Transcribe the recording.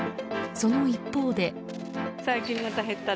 その一方で。